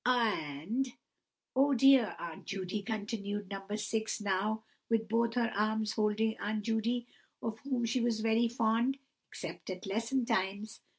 "And, oh dear, Aunt Judy," continued No. 6, now with both her arms holding Aunt Judy, of whom she was very fond, (except at lesson times!)